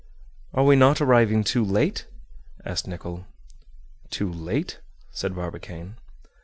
"Are we not arriving too late?" asked Nicholl. "Too late?" said Barbicane.